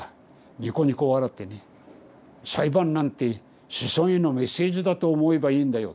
にこにこ笑ってね「裁判なんて『子孫へのメッセージ』だと思えばいいんだよ」